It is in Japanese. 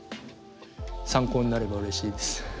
参考になればうれしいです。